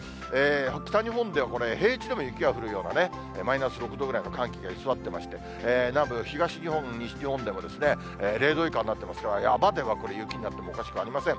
北日本ではこれ、平地でも雪が降るような、マイナス６度ぐらいの寒気が居座ってまして、南部、東日本、西日本でも０度以下になっていますから、山では雪になってもおかしくありません。